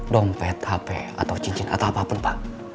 dompet hp atau cincin atau apapun pak